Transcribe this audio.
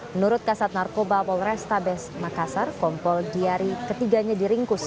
menurut kasat narkoba polres tabes makassar kompol di hari ketiganya diringkus